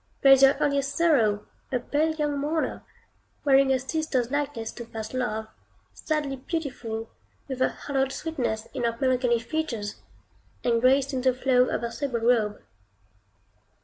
There is your earliest Sorrow, a pale young mourner, wearing a sister's likeness to first love, sadly beautiful, with a hallowed sweetness in her melancholy features, and grace in the flow of her sable robe.